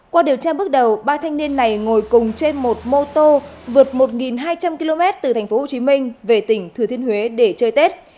qua điều tra bước đầu ba thanh niên này ngồi cùng trên một mô tô vượt một hai trăm linh km từ tp hcm về tỉnh thừa thiên huế để chơi tết